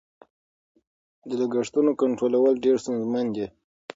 د لګښتونو کنټرولول ډېر ستونزمن دي.